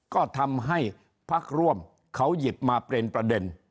ก็ทำให้พักร่วมเขาหยิบมาเป็นประเด็น